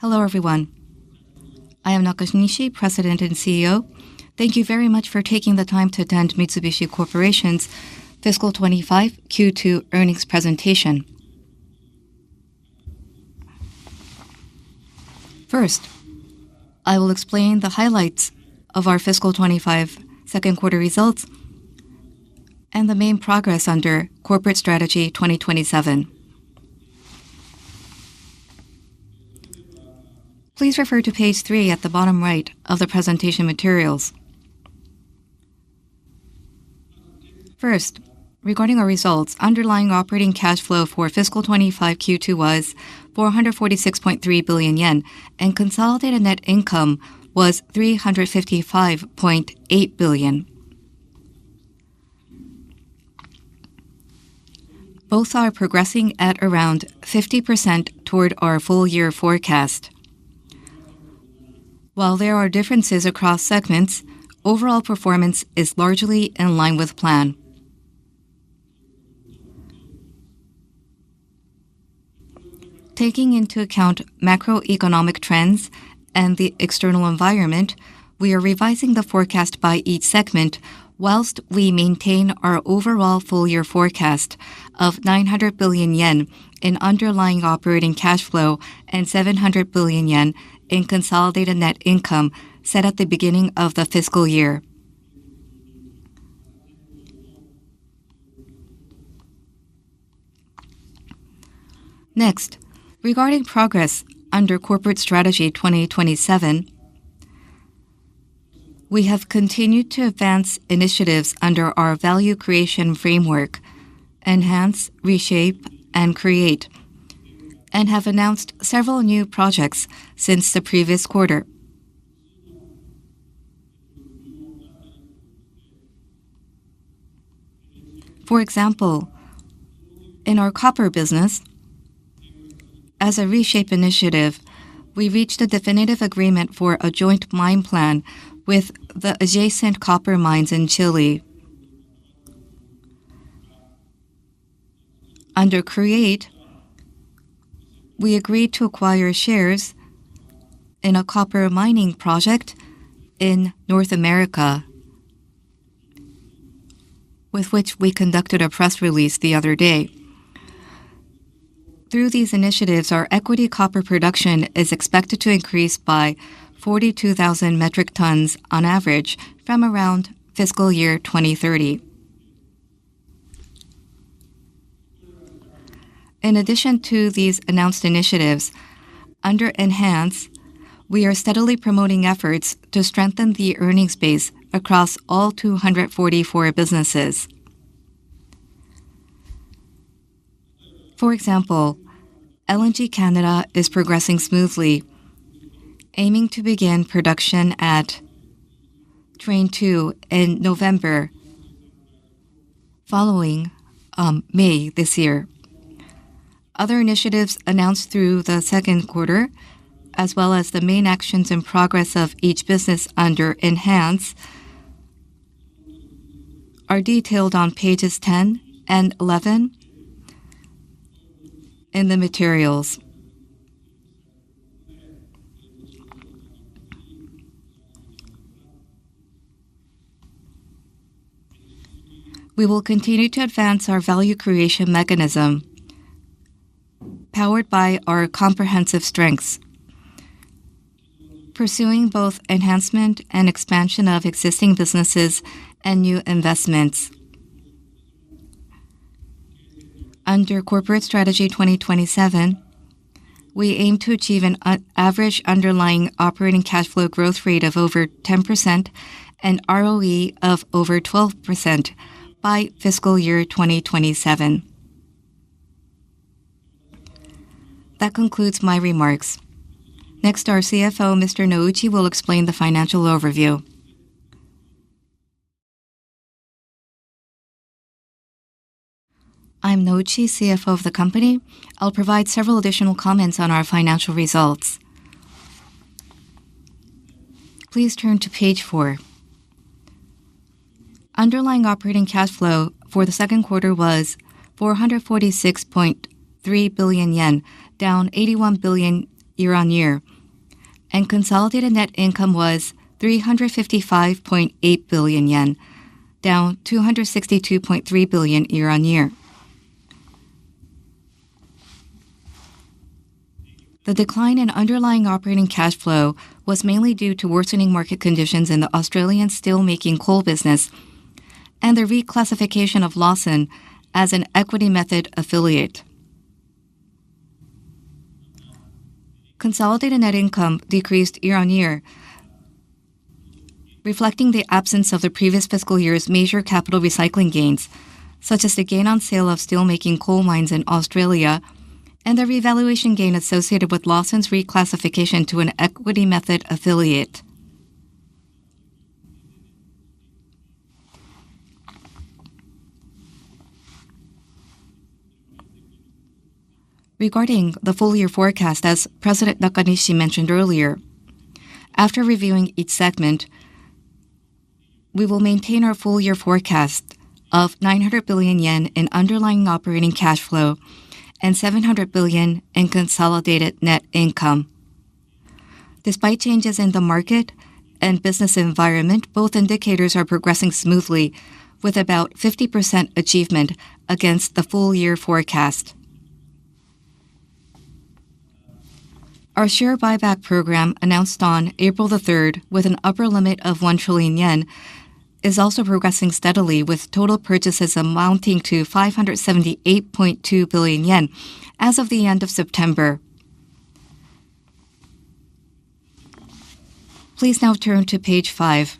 Hello everyone. I am Katsuya Nakanishi, President and CEO. Thank you very much for taking the time to attend Mitsubishi Corporation's Fiscal 25 Q2 earnings presentation. First, I will explain the highlights of our Fiscal 25 second quarter results and the main progress under Corporate Strategy 2027. Please refer to Page 3 at the bottom right of the presentation materials. First, regarding our results, underlying operating cash flow for Fiscal 25 Q2 was 446.3 billion yen, and consolidated net income was JPY 355.8 billion. Both are progressing at around 50% toward our full year forecast. While there are differences across segments, overall performance is largely in line with plan. Taking into account macroeconomic trends and the external environment, we are revising the forecast by each segment while we maintain our overall full year forecast of 900 billion yen in underlying operating cash flow and 700 billion yen in consolidated net income set at the beginning of the fiscal year. Next, regarding progress under Corporate Strategy 2027, we have continued to advance initiatives under our Value Creation Framework, Enhance, Reshape, and Create, and have announced several new projects since the previous quarter. For example, in our copper business, as a Reshape initiative, we reached a definitive agreement for a joint mine plan with the adjacent copper mines in Chile. Under Create, we agreed to acquire shares in a copper mining project in North America, with which we conducted a press release the other day. Through these initiatives, our equity copper production is expected to increase by 42,000 metric tons on average from around fiscal year 2030. In addition to these announced initiatives, under Enhance, we are steadily promoting efforts to strengthen the earnings base across all 244 businesses. For example, LNG Canada is progressing smoothly, aiming to begin production at Train 2 in November, following May this year. Other initiatives announced through the second quarter, as well as the main actions and progress of each business under Enhance, are detailed on Pages 10 and 11 in the materials. We will continue to advance our value creation mechanism, powered by our comprehensive strengths, pursuing both enhancement and expansion of existing businesses and new investments. Under Corporate Strategy 2027, we aim to achieve an average underlying operating cash flow growth rate of over 10% and ROE of over 12% by fiscal year 2027. That concludes my remarks. Next, our CFO, Mr. Yuzo Nouchi, will explain the financial overview. I'm Yuzo Nouchi, CFO of the company. I'll provide several additional comments on our financial results. Please turn to Page 4. Underlying operating cash flow for the second quarter was 446.3 billion yen, down 81 billion year-on-year, and consolidated net income was 355.8 billion yen, down 262.3 billion year-on-year. The decline in underlying operating cash flow was mainly due to worsening market conditions in the Australian steelmaking coal business and the reclassification of Lawson as an equity method affiliate. Consolidated net income decreased year-on-year, reflecting the absence of the previous fiscal year's major capital recycling gains, such as the gain on sale of steelmaking coal mines in Australia and the revaluation gain associated with Lawson's reclassification to an equity method affiliate. Regarding the full year forecast, as President Katsuya Nakanishi mentioned earlier, after reviewing each segment, we will maintain our full year forecast of 900 billion yen in underlying operating cash flow and 700 billion in consolidated net income. Despite changes in the market and business environment, both indicators are progressing smoothly, with about 50% achievement against the full year forecast. Our share buyback program, announced on April the 3rd with an upper limit of 1 trillion yen, is also progressing steadily, with total purchases amounting to 578.2 billion yen as of the end of September. Please now turn to Page 5.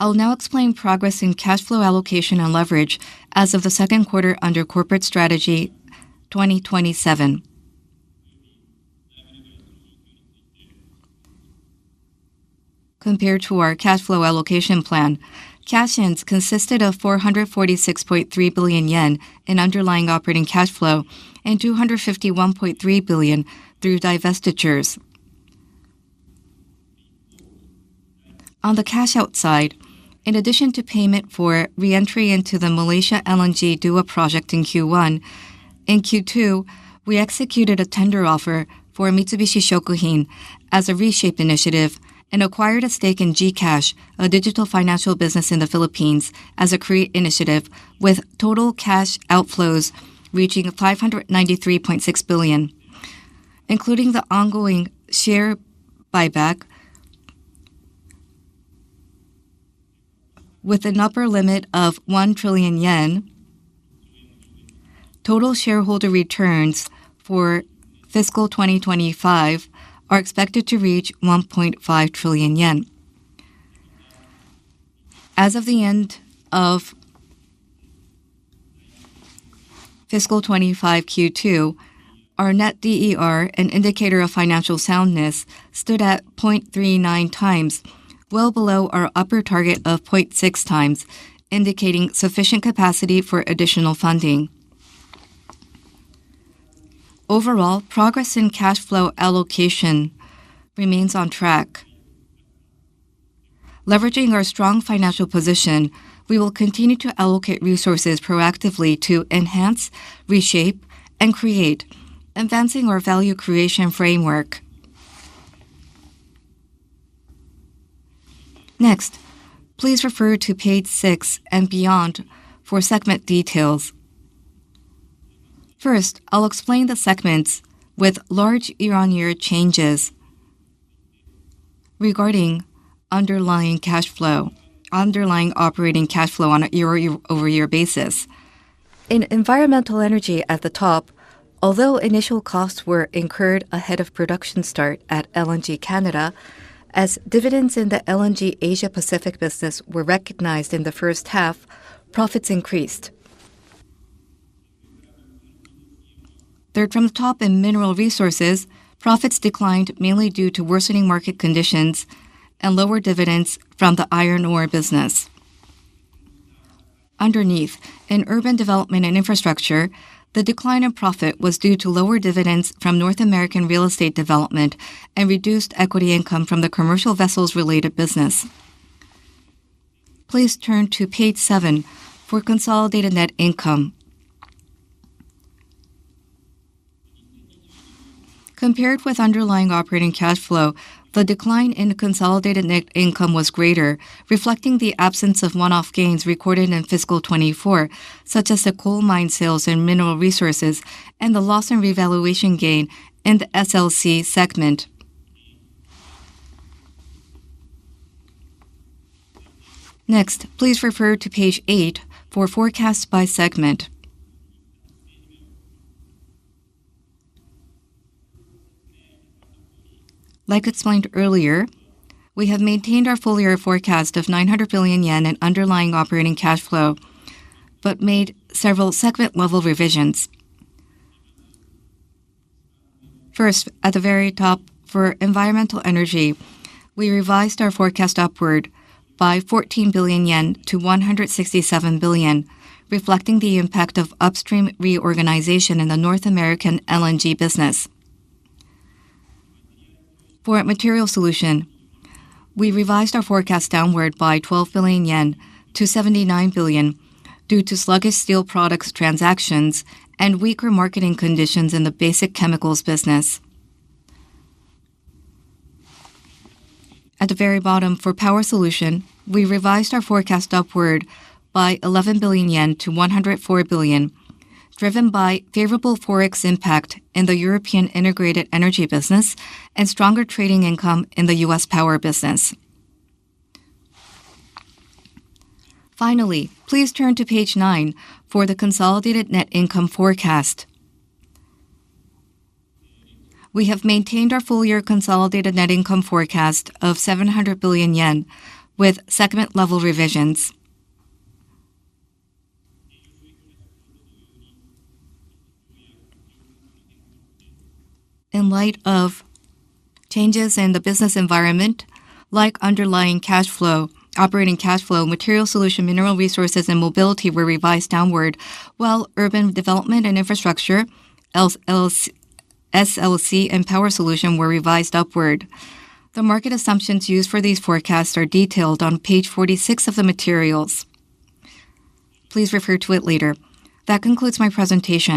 I'll now explain progress in cash flow allocation and leverage as of the second quarter under Corporate Strategy 2027. Compared to our cash flow allocation plan, cash gains consisted of 446.3 billion yen in underlying operating cash flow and 251.3 billion through divestitures. On the cash-out side, in addition to payment for re-entry into the Malaysia LNG Dua project in Q1, in Q2, we executed a tender offer for Mitsubishi Shokuhin as a Reshape initiative and acquired a stake in GCash, a digital financial business in the Philippines as a create initiative, with total cash outflows reaching 593.6 billion, including the ongoing share buyback with an upper limit of 1 trillion yen. Total shareholder returns for fiscal 2025 are expected to reach 1.5 trillion yen. As of the end of fiscal 2025 Q2, our Net DER, an indicator of financial soundness, stood at 0.39x, well below our upper target of 0.6x, indicating sufficient capacity for additional funding. Overall, progress in cash flow allocation remains on track. Leveraging our strong financial position, we will continue to allocate resources proactively to Enhance, Reshape, and Create, advancing our value creation framework. Next, please refer to Page 6 and beyond for segment details. First, I'll explain the segments with large year-on-year changes regarding underlying cash flow, underlying operating cash flow on a year-over-year basis. In Environmental Energy at the top, although initial costs were incurred ahead of production start at LNG Canada, as dividends in the LNG Asia-Pacific business were recognized in the first half, profits increased. There, from the top, in Mineral Resources. Profits declined mainly due to worsening market conditions and lower dividends from the iron ore business. Underneath, in Urban Development and Infrastructure, the decline in profit was due to lower dividends from North American real estate development and reduced equity income from the commercial vessels-related business. Please turn to Page 7 for consolidated net income. Compared with underlying operating cash flow, the decline in consolidated net income was greater, reflecting the absence of one-off gains recorded in fiscal 2024, such as the coal mine sales and Mineral Resources and the Lawson revaluation gain in the SLC segment. Next, please refer to Page 8 for forecast by segment. Like explained earlier, we have maintained our full year forecast of 900 billion yen in underlying operating cash flow but made several segment-level revisions. First, at the very top for Environmental Energy, we revised our forecast upward by 14 billion yen to 167 billion, reflecting the impact of upstream reorganization in the North American LNG business. For Material Solution, we revised our forecast downward by 12 billion yen to 79 billion due to sluggish steel products transactions and weaker marketing conditions in the basic chemicals business. At the very bottom for Power Solution, we revised our forecast upward by 11 billion yen to 104 billion, driven by favorable forex impact in the European integrated energy business and stronger trading income in the U.S. power business. Finally, please turn to Page 9 for the consolidated net income forecast. We have maintained our full year consolidated net income forecast of 700 billion yen with segment-level revisions. In light of changes in the business environment, like underlying operating cash flow, Materials Solution, Mineral Resources, and Mobility were revised downward, while Urban Development and Infrastructure, SLC, and Power Solution were revised upward. The market assumptions used for these forecasts are detailed on Page 46 of the materials. Please refer to it later. That concludes my presentation.